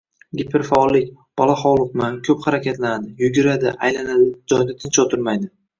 Giperfaollik: bola hovliqma, ko‘p harakatlanadi – yuguradi, aylanadi, joyida tinch o‘tirmaydi